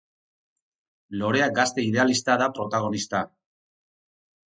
Lorea gazte idealista da protagonista.